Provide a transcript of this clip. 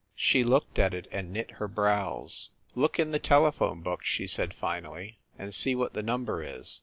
She looked at it and knit her brows. "Look in the telephone book," she said finally, "and see what the number is.